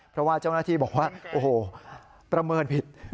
เพราะว่าเจ้าหน้าที่บอกว่าโอ้โหประเมินผิด